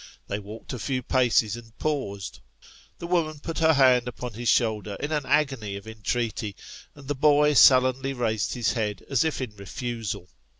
They walked a few paces, and paused. Tho woman put her hand upon his shoulder in an agony of entreaty, and the boy sullenly raised his head as if in refusal.